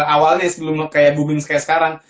awalnya sebelum kayak booming kayak sekarang